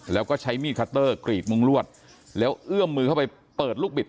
แล้วก็ใช้มีดคัตเตอร์กรีดมุ้งลวดแล้วเอื้อมมือเข้าไปเปิดลูกบิด